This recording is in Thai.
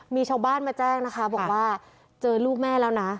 มีชาวบ้านมาแจ้งนะคะบอกว่าเจอลูกแม่แล้วนะ